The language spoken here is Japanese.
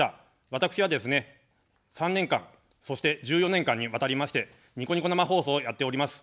私はですね、３年間、そして１４年間にわたりましてニコニコ生放送をやっております。